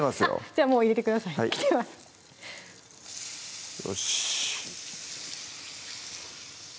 じゃあもう入れてくださいきてますよし！